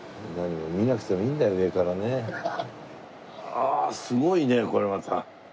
ああすごいねこれまた。